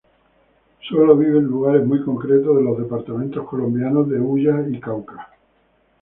Sólo vive en lugares muy concretos de los departamentos colombianos de Huila y Cauca.